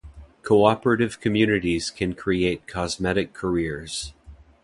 Cooperative communities can create cosmetic careers.